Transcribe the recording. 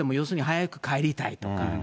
要するに早く帰りたいとか。